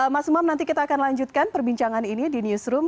mas umam nanti kita akan lanjutkan perbincangan ini di newsroom